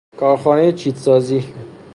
کارخانهٔ چیت سازی